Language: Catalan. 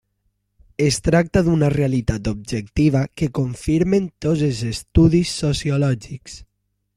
Es tracta d'una realitat objectiva que confirmen tots els estudis sociològics.